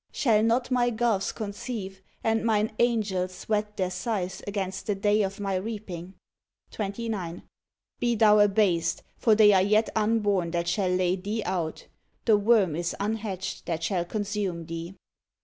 Shall not My gulfs conceive, and Mine angels whet their scythes against the day of My reap ing? 29. Be thou abased, for they are yet unborn that shall lay thee out; the worm is unhatched that shall consume thee.